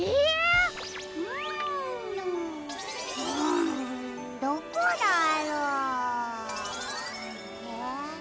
んどこだろう？え？